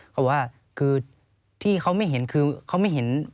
เขาบอกว่าคือที่เขาไม่เห็น